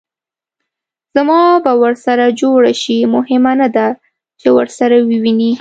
زما به ورسره جوړه شي؟ مهمه نه ده چې ورسره ووینې.